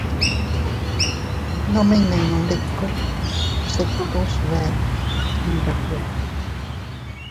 Nome iynninundiku bsitu se bee Iyndube.